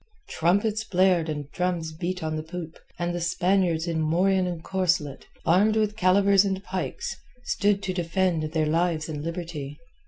Trumpets blared and drums beat on the poop, and the Spaniards in morion and corselet, armed with calivers and pikes, stood to defend their lives and liberty.